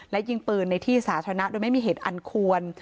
และยิงปืนในที่สาธารณะโดยไม่มีเหตุอันควร